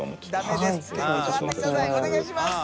お願いします！